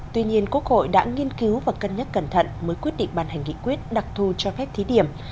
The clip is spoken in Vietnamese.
tuy nhiên quốc hội đã nghiên cứu và cân nhắc cẩn thận mới quyết định ban hành nghị quyết đặc thù cho phép thí điểm